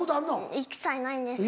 一切ないんですけど。